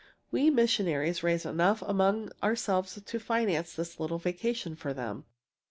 We missionaries raised enough among ourselves to finance this little vacation for them.